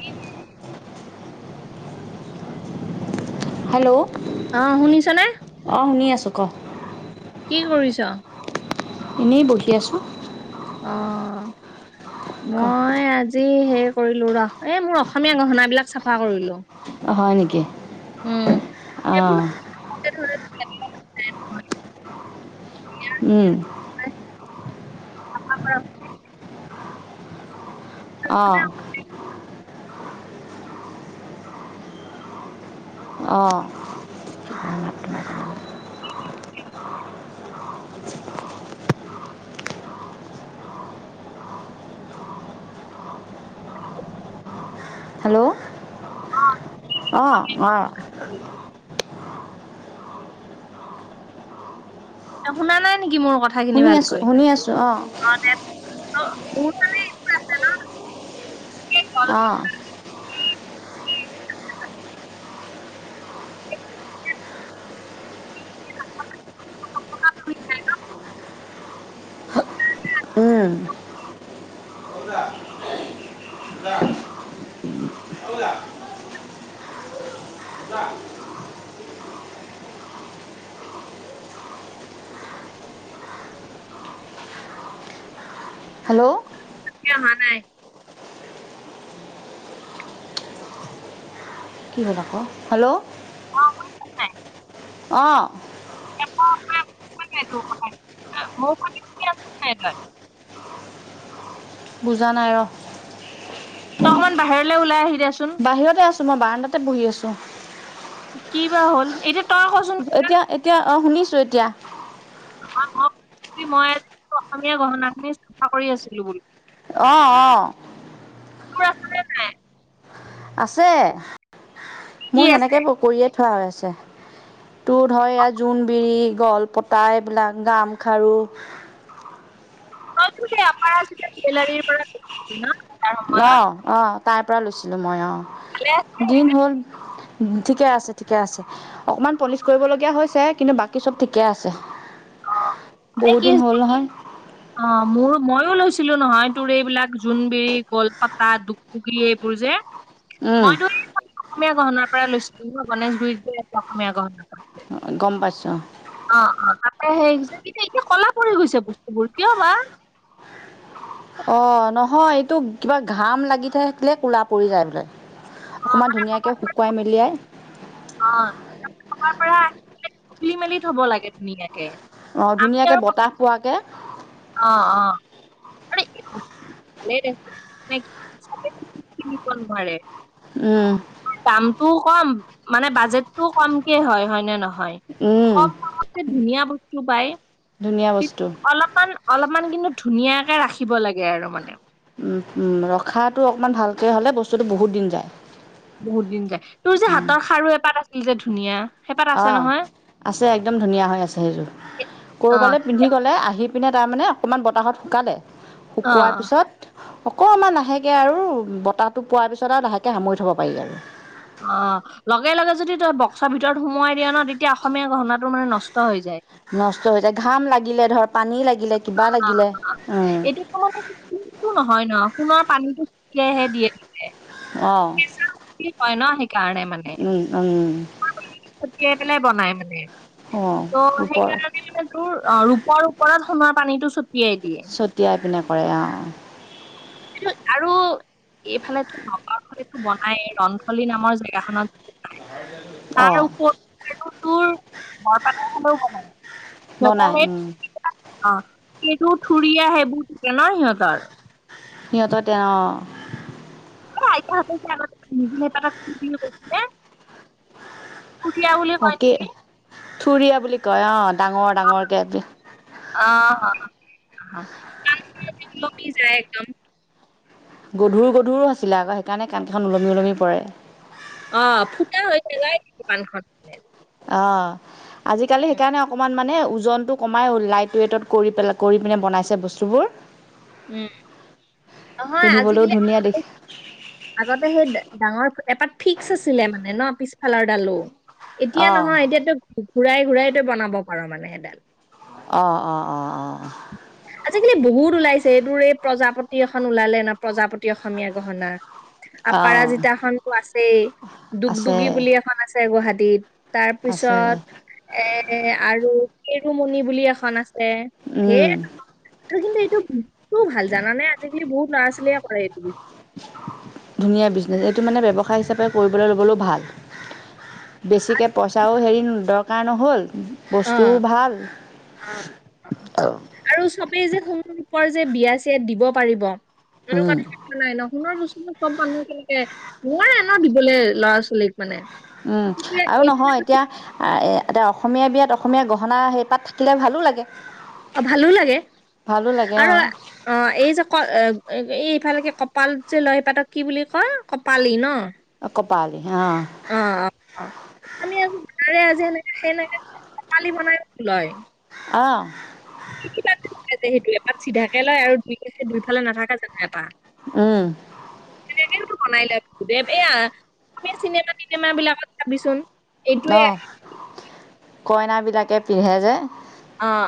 কি [unintelligible] হেল্ল অ', শুনিছনে? অ', শুনি আছোঁ ক। কি কৰিছ? এনেই বহি আছোঁ। অ', ক মই আজ যি হে কৰিলো ৰহ, এই মোৰ অসমীয়া গহনা বিলাক চাফা কৰিলো। হয় নেকি উম সেইবোৰ অ' উম। আ পাৰ অহ। অ। হেল্ল। অহ অ। [unintelligible] শুনা নাই নিকি মোৰ কথাখিনি শুনি আছোঁ ভালকৈ। শুনি আছোঁ অঁ অ তে ত মোৰ মানে এইটো আছে ন। অহ। উম। [inaudible] হেল্ল। কিয় অহা নাই? কি হ'ল আকৌ হেল্ল। অ অ। [inaudible] মোৰ [inaudible] বুজা নাই ৰ। ত অকমান বাহিৰলৈ ওলাই আহি দেচোন। বাহিৰতে আছোঁ মই বাৰণ্ডাতে বহি আছোঁ। কি বা হ'ল, এতিয়া তই ক চোন? এতিয়া এতিয়া অ শুনিছোঁ এতিয়া। [inaudible] মোক কি মই অসমীয়া গহনা খিনি চাফা কৰি আছিলো বোলো। অ অ। [inaudible] আছে কি কি মোৰ আছে সেনেকে কৰিয়ে থোৱা হৈ আছে। তো ধৰ এইয়া জোনবিৰি, গলপতা, এইবিলাক গামখাৰু। [inaudible] তাৰ অ সময়ত অ তাইৰ পৰা লৈছিলো মই অ ভালে আছিলে দিন হ'ল। ঠিকে আছে। ঠিকে আছে। অকমান পলিচ কৰিবলগীয়া হৈছে কিন্তু বাকী চব ঠিকে আছেঁ। [inaudible] বহুত কি দিন হ'ল নহয়। [unintelligible] অ মোৰ মইও লৈছিলো নহয় তোৰ এইবিলাক জোনবিৰি, গলপাতা, দুগদুগী এইবোৰ যে উম মইতো এই অসমীয়া গহনাৰ পৰা লৈছিলো, গণেশগুৰিত যে অসমীয়া গহণা টো আছে। গম পাইছোঁ। অ অ তাতে সেই যে এতিয়া কলা পৰি গৈছে বস্তুবোৰ কিয় বা? অ নহয় এইটো কিবা ঘাম লাগি থাকিলে কোলা পৰি যায় বোলে। অ অকণমান মানে ধুনীয়াকে কবাৰ পৰা শুকুৱাই মেলিয়াই। অ [inaudible] খুলি মেলি থব লাগে ধুনীয়াকে। অহ আমি ধুনীয়াকে আৰু বতাহ পোৱাকে। অ অ আৰে ভালেই দে। [inaudible] কিনিব নোৱাৰে। উ দামটোও কম মানে বাজেটটোও কমকে হয়। হয় নে নহয়? উম কম দামতে ধুনীয়া বস্তু পায়। ধুনীয়া বস্তু অলপমান, অলপমান কিন্তু ধুনীয়াকে ৰাখিব লাগে আৰু মানে। উম, উম ৰখাটো অকণমান ভালকে হ'লে বস্তুটো বহুত দিন যায়। বহুত দিন যায়। তোৰ যে হাতৰ খাৰু এপাত আছিল যে ধুনীয়া। সেইপাত আছে অ' নহয় আছে একদম ধুনীয়া হৈ আছে সেইযোৰ। এ- অ কৰবালৈ পিন্ধি এ- গ'লে আহি পিনে তাৰমানে অকণমান বতাহত শুকালে অ শুকোৱাৰ পিছত অকমান লাহেকে আৰু বতাহটো পোৱাৰ পিছত আৰু লাহেকে সামৰি থব পাৰি আৰু। অ লগে, লগে যদি তই বক্সৰ ভিতৰত সোমোৱাই দিয়া নহ তেতিয়া অসমীয়া গহনাটো মানে নষ্ট হৈ যায়। নষ্ট হৈ যায় ঘাম লাগিলে ধৰ পানী লাগিলে। কিবা অ লাগিলে এইটো তোৰ মানে কি। সোণটো নহয় নহ সোণৰ পানীটো [unintelligible] দিয়ে। অ'। [unintelligible] কয় নহ সেইকাৰণে মানে। [unintelligible] ছটিয়াই পেলাই বনাই মানে অঁ ত' ৰূপৰ সেইকাৰণে মানে। তোৰ ৰূপৰ ওপৰত সোণৰ পানীটো ছটিয়াই দিয়ে। ছটিয়াই পিনে কৰে অ। আৰু। এইফালেতো নগৰ [unintelligible] বনাই নহ ৰনথলী নামৰ জেগাখনত বনাই। তাৰ অঁ উপৰিও তোৰ বৰপেটাৰ ফালেও বনায়। [unintelligible] অ সেইটো থুৰিয়া সেইবোৰ থাকে নহ সিহঁতৰ। সিহঁত তেওঁ অ'। [unintelligible] থুৰিয়া বুলি কয় নেকি? থুুৰয়া বুলি কয় অ' ডাঙৰ, ডাঙৰকে। [unintelligible] গধুৰ, গধুৰ আছিলে আকৌ সেইকাৰণে কাণখন ওলমি, ওলমি পৰে। অ ফুটা হৈ। [unintelligible] অ আজিকালি সেইকাৰণে অকমান মানে ওজনটো কমাই লাইট ৱেটত কৰি পেলাই কৰি পিলে বনাইছে বস্তুবোৰ। উম। নহয় আজিকালি পিন্ধিবলৈও ধুনীয়া দেখ আগতে সেই ডাঙৰ এপাত ফিক্স আছিলে মানে নহ পিছফালৰ ডালো। এতিয়া অঁ নহয় এতিয়া তই ঘূৰাই, ঘূৰাই তই বনাব পাৰ মানে এডাল। অ, অ, অ, অ। [inaudible] আজিকালি বহুত ওলাইছে এই তোৰ এই প্ৰজাপতি এখন ওলালে নহ প্ৰজাপতি অসমীয়া গহনা। অঁ আপাৰাজিতা খনটো আছেই আছে দুগদুগী বুলি এখন আছে গুৱাহাটীত। তাৰ আছে পিছত এ আৰু কেৰুমণি বুলি এখন আছ ছে উম ধেৰ আৰু কিন্তু এইটো [unintelligible] ভাল জানা নে আজিকালি বহুত ল'ৰা ছোৱালীয়ে। [unintelligible] ধুনীয়া বিজনেচ এইটো মানে ব্যৱসায় হিচাপে কৰিবলৈ ল'বলৈও ভাল। বেছিকৈ পইচাও হেৰি দৰকাৰ নহ'ল। অ বস্তুও ভাল। অ আৰু চবেই যে সোণ ৰূপৰ যে বিয়া চিয়াত দিব পাৰিব। এনেকুৱা উম। নাই ন সোণৰ বস্তু চব মানুহে কেনেকে, নোৱাৰে ন দিবলৈ ল'ৰা-ছোৱালীক মানে। উম, তেতিয়া আৰু নহয় এইটো এতিয়া এতিয়া অসমীয়া বিয়াত অসমীয়া গহনা সেইপাত থাকিলে ভালো লাগে। অ', ভালো লাগে। ভালো লাগে আৰু অ', এই যে ক এই ইফালেকে কপাল যে লয় সেইপাতক কি বুলি কয়! কপালি ন। কপালি, অ'। অ', - অ', -অ', আমি আৰু বনালে আজি এনেকে সেনেকে কপালি বনাই লয়। অঁহ'। সেইটো এপাত চিধাকে লয় আৰু দুইছে দুইফালে নাথাকা জানো এপাক। উম। তেনেকেইটো বনাই লয় দেৱ এয়া, অসমীয়া চিনেমা- তিনেমা বিলাকত চাবিচোন। এইটোৱে অ', কইনা বিলাকে পিন্ধে যে। অ'।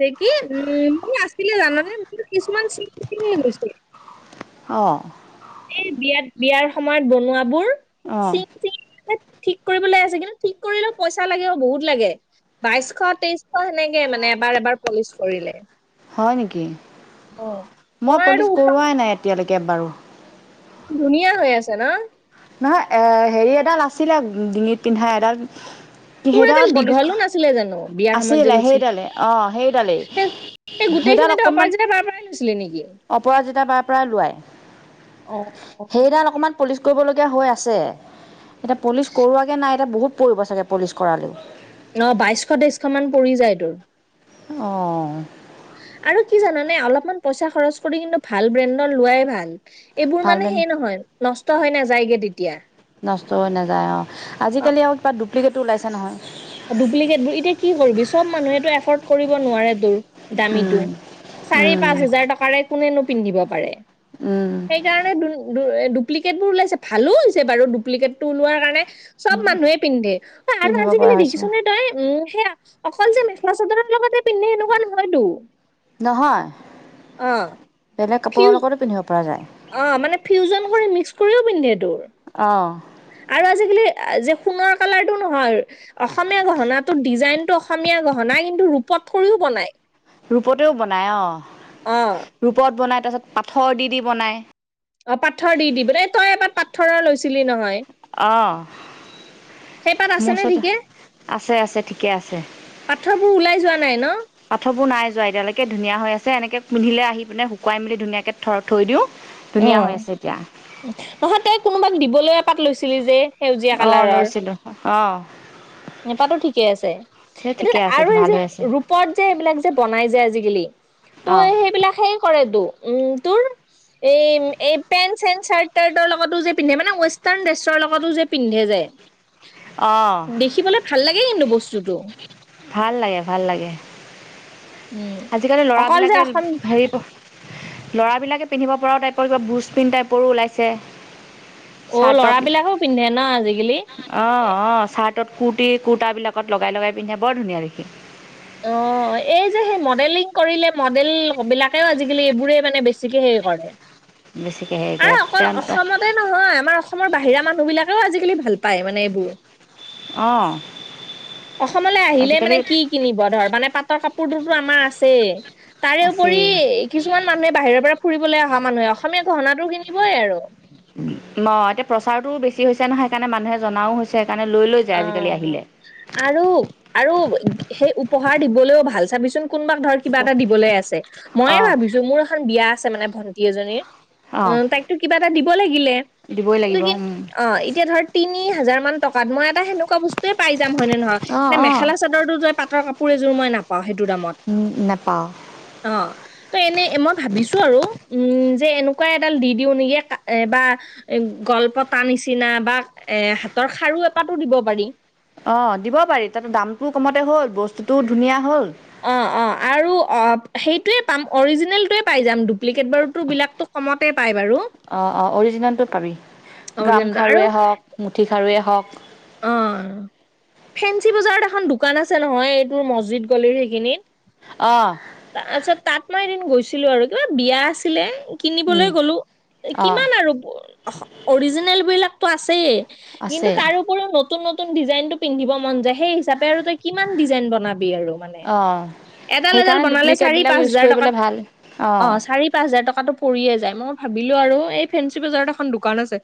সেই কি উম মোৰ আছিলে জাননে মোৰ কিছুমান চিঙি পিনে গৈছে। অঁ। এই বিয়াত, বিয়াৰ সময়ত বনোৱাবোৰ অ', চিঙি-চিঙি ঠিক কৰিবলৈ আছে, কিন্তু ঠিক কৰিলে পইচা লাগে বহুত লাগে। বাইশ তেইশ সেনেকে মানে এবাৰ এবাৰ পলিচ কৰিলে। হয় নেকি! অ মই আৰু পলিচ উপায় কৰোৱাই নাই এতিয়ালৈকে এবাৰো। ধুনীয়া হৈ আছে ন। নহয় এ হেৰি এডাল আছিলে ডিঙিত পিন্ধা এডাল। তোৰ সেইডাল এডাল পলিচ দীঘলো নাছিলে জানো বিয়াৰ সময়ত যে আছিলে সেইডালে অ', সেইডালেই লৈছিলি। এই সেইডাল গোটেইখিনিতে অকণমান অপৰাজিতা বাৰ পৰাই লৈছিলি নেকি? অপৰাজিতা বাৰ পৰাই লোৱাই অ'। সেইডাল অকণমান পলিচ কৰিবলগীয়া হৈ আছে, এতিয়া পলিচ কৰোৱাগে নাই এতিয়া বহুত পৰিব চাগে পলিচ কৰালেও। ন বাইশ তেইশ মান পৰি যায় তোৰ। অঁহ'। আৰু কি জানানে অলপমান পইচা খৰচ কৰি কিন্তু ভাল ব্ৰেণ্ডৰ লোৱাই ভাল। এইবোৰ ভাল মানে বেন সেই নহয় নষ্ট হয় নাযায়গে তেতিয়া। নষ্ট হৈ নাযায় অ', অ' আজি-কালি আৰু কিবা ডুপ্লিকেতো ওলাইছে নহয়। ডুপ্লিকেট বোৰ এতিয়া কি কৰিবি চব মানুহটো এফৰ্ড কৰিব নোৱাৰে তোৰ, দামীটো। উম চাৰি উম পাঁচ হাজাৰ টকাৰে কোনেনো পিন্ধিব পাৰে, উম সেইকাৰণে ডুপ্লিকেট বোৰ ওলাইছে ভালো হৈছে বাৰু ডুপ্লিকেট টো ওলোৱাৰ কাৰণে চব মানুহে পিন্ধে, আৰু পিন্ধিব পৰা আজি-কালি দেখিছ হৈছে নে তই উম, সেয়া অকল যে মেখেলা-চাদৰৰ লগতে পিন্ধে এনেকুৱা নহয়টো। নহয় অ', ফিউ পাৰে। অ', মানে ফিউজন কৰি মিক্স কৰিও পিন্ধে তোৰ। অ'। আৰু আজি-কালি যে সোণৰ কালাৰ টো নহয়। অসমীয়া গহনাটো ডিজাইনতটো অসমীয়া গহনা কিন্তু ৰূপত থৈও বনাই। ৰূপতেও বনায় অঁ', অ ৰূপত বনায় তাৰপিছত পাথৰ দি দি বনায়। অ', পাথৰ দি দি বনাই তই এবাৰ পাথৰৰ লৈছিলি নহয়। অ সেইপাত মোৰ আছে নে ওচৰত ঠিকে? আছে আছে ঠিকে আছে। পাথৰবোৰ ওলাই যোৱা নাই ন? পাথৰবো নাই যোৱা এতিয়ালৈকে ধুনীয়া হৈ আছে এনেকে পিন্ধিলে আহি পিনে শুকুৱাই মেলি ধুনীয়াকে ধ-থৈ দিওঁ, ধুনীয়া হৈ অ'। আছে এতিয়া। নহয় তই কোনোবাক দিবলে এপাত লৈছিলি যে? অ লৈছিলোঁ, অ সেই পাতো ঠিকে আছে। সেই এতিয়া ঠিকে আছে আৰু এই ভাল যে হৈ আছে ৰূপ ৰূপত যে এইবিলাক যে বনাই যে আজিকালি, ত' অ সেইবিলাক হে কৰে তো- উম' তো। এই, এই পেন্ট-চেণ্ট, চাৰ্ট-তাৰ্টৰ লগতো যে পিন্ধে মানে ৱেষ্টাৰ্ণ ড্ৰেছৰ লগতো যে পিন্ধে অ যে- দেখিবলে ভাল লাগে কিন্তু বস্তুটো। ভাল লাগে ভাল লাগে। উম আজি-কালি অকল যে ল'ৰাবিলাকে অসম হেৰি ল'ৰাবিলাকে পিন্ধিব পৰা টাইপৰ যে ব্ৰুজ পিণ্ট টাইপৰো ওলাইছে। অ' ল'ৰাবিলাকো পিন্ধে না আজিকালি? অ অ চাৰ্টত কুৰ্তি, কুুৰ্তাবিলাকত লগাই-লগাই পিন্ধে বৰ ধুনীয়া দেখি। অ এই যে সেই মডেলিং কৰিলে মডেল বিলাকেও আজি-কালি এইবোৰে মানে বেছিকে হেই কৰে। বেছিকৈ হেই কৰে, তেন তে তাতে নহয় আমাৰ অসমৰ বাহিৰা মানুহ বিলাকেও আজিকালি ভাল পায় মানে এইবোৰ। অঁ অসমলে আহিলে আজিকালি মানে কি কিনিব ধৰ মানে পাটৰ কাপোৰটোতো আমাৰ আছেই, আছে তাৰেপৰি কিছুমান মানুহে বাহিৰৰ পৰা ফুৰিবলে অহা মানুহে অসমীয়া গহনাটো কিনিবই আৰু। ন্, এতিয়া প্ৰচাৰতোও বেছি হৈছে নহয় সেইকাৰণে মানুহে জনাও হৈ- ছে সেকাণে লৈ লৈ যায় আজিকালি অঁ- আহিলে আৰু আৰু সেই উপহাৰ দিবলেও ভাল চাবিচোন কোনোবাক ধৰ কিবা এটা দিবলৈ আছে, মইয়ে অঁ ভাবিছোঁ, মোৰ এখন বিয়া আছে মানে ভন্টি এজনীৰ। অঁ উ' তাইকতো কিবা এটা দিব লাগিলে, দিবই লাগিব লেকিন অঁ অ এতিয়া ধৰ তিনি হাজাৰমান টকাত মই এটা সেনেকুৱা বস্তুৱে পাই যাম হয় নে নহয়? নে অঁ মেখেলা-চাদৰ টো যে পাটৰ কাপোৰ এযোৰ মই নাপাওঁ সেইটো দামত। উ নাপাৱ। অ'। ত' এনে মই ভাবিছোঁ আৰু- উম্ যে এনেকুৱা এডাল দি দিওঁ নেকি বা এ গলপতা নিচিনা বা এ হাতৰ খাৰু এপাতো দিব পাৰি। অ দিব পাৰি তাতে দামটোও কমতে হ'ল, বস্তুটোও ধুনীয়া হ'ল। অঁ অঁ আৰু অ সেইটোৱে পাম অৰিজিনেলটোৱে পাই যাম, ডুপ্লিকেট বাৰুটো বিলাকটো কমতে পাই বাৰু। অ অ অৰিজিনেলটো পাবি। অৰিজিনেলটো গামখাৰুৱে হওঁক, মুঠি খাৰুৱে হওঁক। অ্'। ফেঞ্চি বজাৰত এখন দোকান আছে নহয় এইটোৰ মছজিদ গলিৰ সেইখিনিত। অ'। আ-আচ্ছা তাত মই এদিন গৈছিলোঁ আৰু কিবা বিয়া আছিলে। কিনিবলে উম গ'লো, অ কিমান আৰু অস অৰিজিনেল বিলাকতো আছেই। কিন্তু আছে তাৰো পৰো নতুন-নতুন ডিজাইনটো পিন্ধিব মন যায় সেই হিচাপে আৰু তই কিমান ডিজাইন বনাবি আৰু। মানে। অ এডাল এডাল সেইকাৰণে বনালে ডুপ্লিকেটবিলাক চাৰি-পাঁচ ইউজ হাজাৰ কৰিবলৈ টকাত, ভাল অ চাৰি পাঁচ হাজাৰ টকাতো পৰিয়ে যায়, মই ভাবিলোঁ আৰু এই ফেঞ্চি বজাৰত এখন দোকান আছে-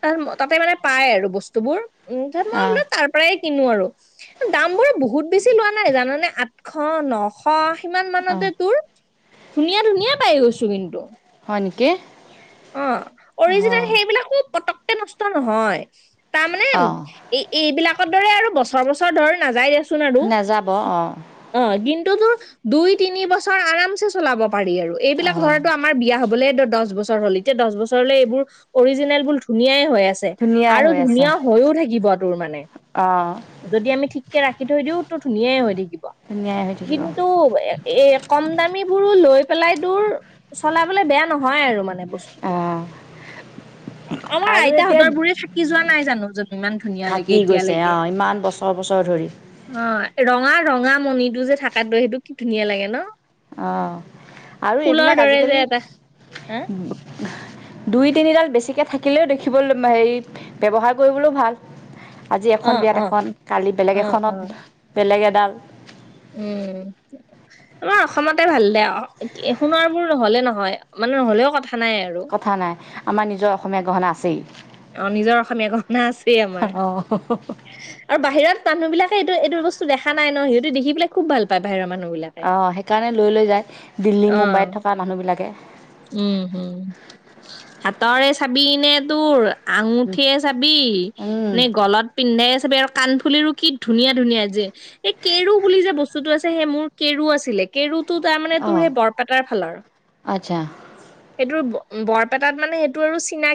তাৰ তাতে মানে পাই আৰু বস্তুবোৰ, উম তাত মই অ বোলো তাৰ প্ৰায়ে কিনো আৰু। দামবোৰো বহুত বেছি লোৱা নাই জানানে? আঠশ, ন শ সিমান অ মানতে তোৰ ধুনীয়া ধুনীয়া পাই গৈছোঁ কিন্তু। হয় নেকি? অ', অ অৰিজিনেল সেইবিলাকো পতককে নষ্ট নহয়। তাৰমানে অ এই এইবিলাকৰ দৰে আৰু বছৰ বছৰ ধৰ নাযায় দেচোন আৰু? নাযাব অ অ', কিন্তু দিনতোটো দুই তিনি বছৰ আৰামছে চলাব পাৰি আৰু। অ এইবিলাক ধৰ তোৰ আমাৰ বিয়া হবলে দহ বছৰ হ'ল। এতিয়া দহ বছৰলে এইবোৰ অৰিজিনেল বোৰ ধুনীয়াই হৈ আছে। ধুনীয়াই আৰু হৈ আছে ধুনীয়া হৈও থাকিব তোৰ মানে। অ যদি আমি ঠিককে ৰাখি থৈ দিওঁ, তো ধুনীয়াই হৈ থাকিব। ধুনীয়াই হৈ থাকিব অ কিন্তু এ কম দামীবোৰো লৈ পেলাই তোৰ চলাবলে বেয়া নহয় আৰু মানে বস্তু টো। অমাৰ আৰু এতিয়া আইতাহঁতৰ বোৰে থাকি যোৱা নাই জানো? য'ত ইমান ধুনীয়া লাগে থাকি গৈছে এতিয়ালৈকে। অ ইমান বছৰ বছৰ ধৰি অ', ৰঙা ৰঙা মণিটো যে থাকাটো, সেইটো কি ধুনীয়া লাগে ন? অ', আৰু ফুলৰ এইবিলাক দৰে যে আজিকালি এটা হা ব দুই তিনিডাল বেছিকৈ থাকিলেও দেখিবলৈ হেৰি ব্যৱহাৰ কৰিবলৈও ভাল। আজি এখন অ বিয়াত অ এখন, কালি বেলেগ অ', এখনত অ'। বেলেগ এডাল উম আমাৰ অসমতে ভাল দে আৰু, সোণৰ বোৰ নহলেও হয় মানে নহ'লেও কথা নাই আৰু। কথা নাই, আমাৰ নিজৰ অসমীয়া গহনা আছেই। অ' নিজৰ অসমীয়া গহনা আছেই আমাৰ। অঁ আৰু বাহিৰত মানুবিলাকে এইটো এইটো বস্তু দেখা নাই ন? সিহঁতে দেখি পেলাই খুব ভাল পায় বাহিৰৰ মানুহ বিলাক। অ' সেইকাৰণে লৈ লৈ যায় দিল্লী মুম্বাইত অ'। থকা মানুহ বিলাকে? উম, হুম। হাতৰে চাবিনে তোৰ আঙুঠিয়ে চাবি নে গলত পিন্ধাই চাবি আৰু কাণফুলিও কি ধুনীয়া ধুনীয়া যে। এই কেৰু বুলি যে বস্তুতটো আছে, সেই মোৰ কেৰু আছিলে। কেৰুতো তাৰ মানে তোৰ অঁ সেই বৰপেটাৰ ফালৰ। আচ্ছা। সেইটোৰ বৰপেটাত মানে সেইটো আৰু চিনাকি।